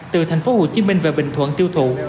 từ thành phố hồ chí minh về bình thuận tiêu thụ